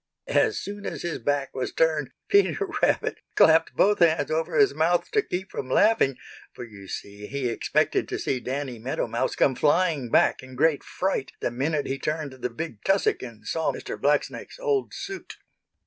As soon as his back was turned Peter Rabbit clapped both hands over his mouth to keep from laughing, for you see he expected to see Danny Meadow Mouse come flying back in great fright the minute he turned the big tussock and saw Mr. Blacksnake's old suit.